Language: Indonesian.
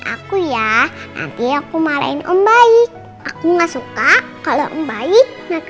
aku cuma ke mana kalauarnos nek